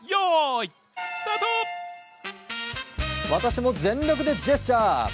私も全力でジェスチャー。